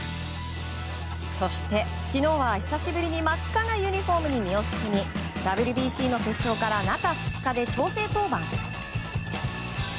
そして、昨日は久しぶりに真っ赤なユニホームに身を包みＷＢＣの決勝から中２日で調整登板。